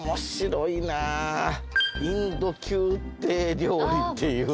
インド宮廷料理っていう店がある。